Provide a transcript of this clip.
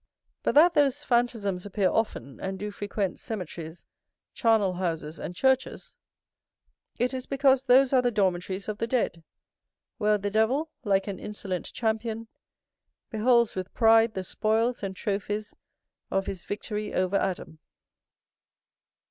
But that those phantasms appear often, and do frequent cemeteries, charnel houses, and churches, it is because those are the dormitories of the dead, where the devil, like an insolent champion, beholds with pride the spoils and trophies of his victory over Adam.